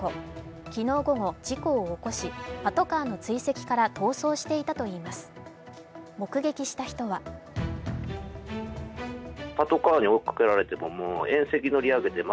昨日午後、事故を起こし、パトカーの追跡から逃走していたといいます。